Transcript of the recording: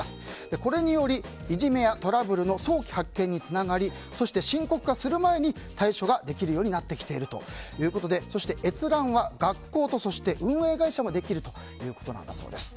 これにより、いじめやトラブルの早期発見につながりそして深刻化する前に対処ができるようになってきているということでそして、閲覧は学校と運営会社もできるということだそうです。